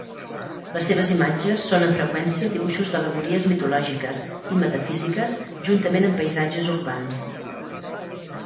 Les seves imatges són amb freqüència dibuixos d'al·legories mitològiques i metafísiques juntament amb paisatges urbans.